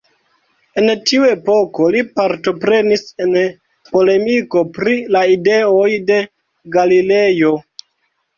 En tiu epoko li partoprenis en polemiko pri la ideoj de Galilejo.